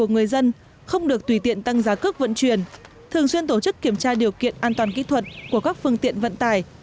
người dân không được tùy tiện tăng giá cước vận chuyển thường xuyên tổ chức kiểm tra điều kiện an toàn kỹ thuật của các phương tiện vận tải